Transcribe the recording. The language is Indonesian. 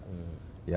ya mungkin saja